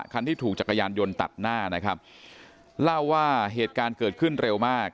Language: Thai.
คันที่ถูกจักรยานยนต์ตัดหน้านะครับเล่าว่าเหตุการณ์เกิดขึ้นเร็วมาก